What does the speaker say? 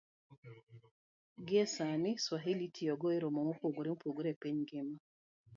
Gie sani, Swahili itiyogo e romo mopogore opogore e piny ngima